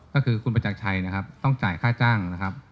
ก็คือคุณประจักรชัยนะครับต้องจ่ายค่าจ้างนะครับ